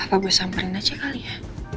apa gue samperin aja kali ya